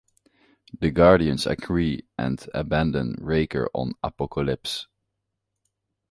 The Guardians agree and abandon Raker on Apokolips.